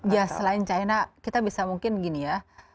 ya selain china kita bisa mungkin gini ya